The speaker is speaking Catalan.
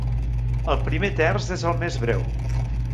El primer terç és el més breu.